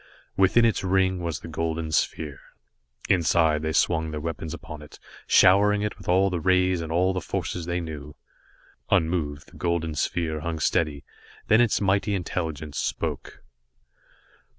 Within its ring was the golden sphere. Instantly, they swung their weapons upon it, showering it with all the rays and all the forces they knew. Unmoved, the golden sphere hung steady, then its mighty intelligence spoke.